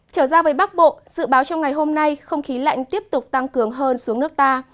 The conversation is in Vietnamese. trở ra với bắc bộ dự báo trong ngày hôm nay không khí lạnh tiếp tục tăng cường hơn xuống nước ta